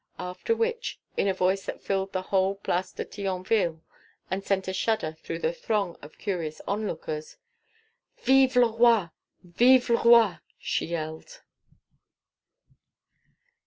After which, in a voice that filled the whole Place de Thionville and sent a shudder through the throng of curious onlookers: "Vive le roi! Vive le roi!" she yelled.